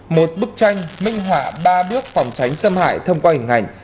một bức tranh minh họa ba bước phòng tránh xâm hại thông qua hình ảnh